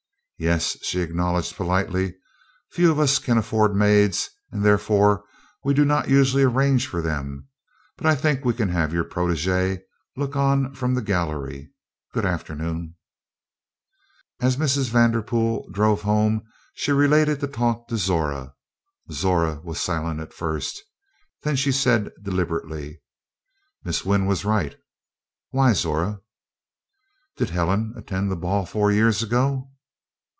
"Yes," she acknowledged politely, "few of us can afford maids, and therefore we do not usually arrange for them; but I think we can have your protégée look on from the gallery. Good afternoon." As Mrs. Vanderpool drove home she related the talk to Zora. Zora was silent at first. Then she said deliberately: "Miss Wynn was right." "Why, Zora!" "Did Helene attend the ball four years ago?"